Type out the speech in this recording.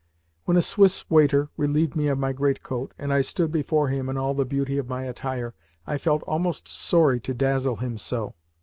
When a Swiss waiter relieved me of my greatcoat, and I stood before him in all the beauty of my attire, I felt almost sorry to dazzle him so.